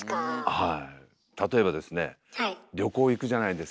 はい。